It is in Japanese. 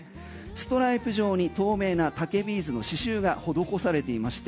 ストライプ状に透明な竹ビーズの刺しゅうが施されていまして